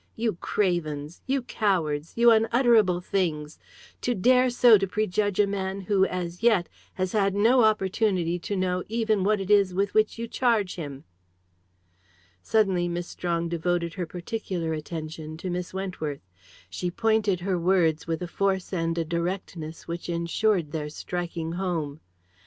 You cravens! You cowards! You unutterable things! To dare so to prejudge a man who, as yet, has had no opportunity to know even what it is with which you charge him!" Suddenly Miss Strong devoted her particular attention to Miss Wentworth. She pointed her words with a force and a directness which ensured their striking home.